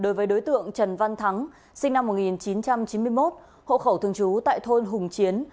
đối với đối tượng trần văn thắng sinh năm một nghìn chín trăm chín mươi một hộ khẩu thường trú tại thôn hùng chiến